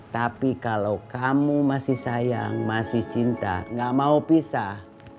tapi kalau kamu masih sayang masih cinta gak mau pisah